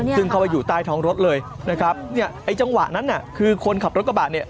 ซึ่งเขาจะอยู่ใต้ท้องรถเลยนะครับนี่ไอ้จังหวะนั้นคือคนขับรถกระบะ